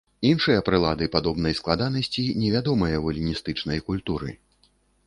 Іншыя прылады падобнай складанасці невядомыя ў эліністычнай культуры.